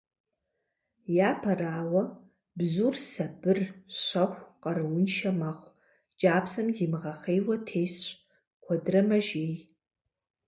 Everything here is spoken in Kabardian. Япэрауэ, бзур сабыр, щэху, къарууншэ мэхъу, кӏапсэм зимыгъэхъейуэ тесщ, куэдрэ мэжей.